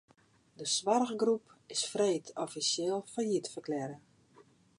De soarchgroep is freed offisjeel fallyt ferklearre.